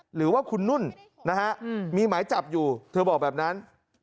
หรือว่าคุณนุ่นนะฮะมีหมายจับอยู่เธอบอกแบบนั้น